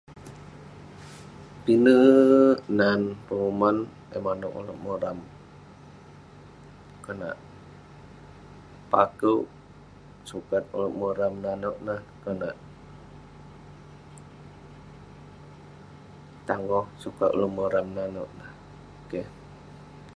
Pinek...nan penguman eh manouk ulouk moram..konak pakewk, sukat ulouk moram nanouk neh..konak..tangoh, sukat ulouk moram nanouk neh..keh.